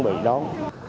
chúng bị đón